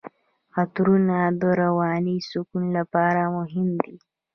عطرونه د رواني سکون لپاره مهم دي.